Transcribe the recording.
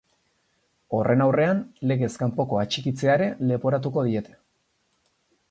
Horren aurrean, legez kanpoko atxikitzea ere leporatuko diete.